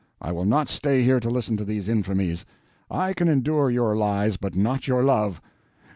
I will not stay here to listen to these infamies. I can endure your lies, but not your love.